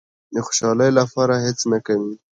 د خوشالۍ لپاره هېڅ نه کوي.